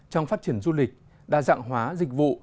trong phát triển du lịch đa dạng hóa dịch vụ